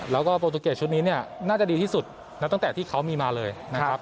แล้วก็โปรตูเกตชุดนี้เนี่ยน่าจะดีที่สุดแล้วตั้งแต่ที่เขามีมาเลยนะครับ